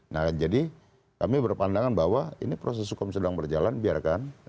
nah jadi kami berpandangan bahwa ini proses hukum sedang berjalan biarkan